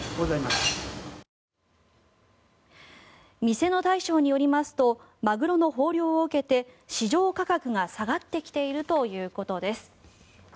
店の大将によりますとマグロの豊漁を受けて市場価格が下がってきているということです。